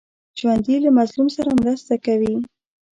ژوندي له مظلوم سره مرسته کوي